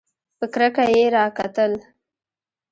په کرکه یې راکتل !